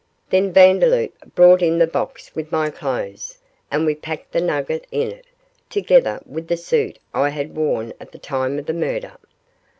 Then Vandeloup brought in the box with my clothes, and we packed the nugget in it, together with the suit I had worn at the time of the murder.